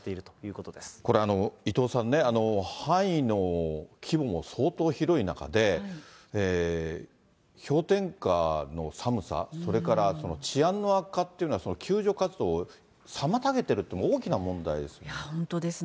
これ、伊藤さんね、範囲も規模も相当広い中で、氷点下の寒さ、それから治安の悪化っていうのは、救助活動を妨げてる大きな問題ですね。